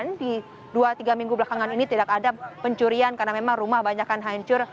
namun di dua tiga minggu belakangan ini tidak ada pencurian karena memang rumah banyakan hancur